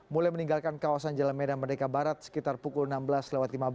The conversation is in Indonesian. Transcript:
mulai meninggalkan kawasan jalan medan merdeka barat sekitar pukul enam belas lewat lima belas